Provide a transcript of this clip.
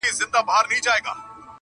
څه موده پس د قاضي معاش دوه چند سو,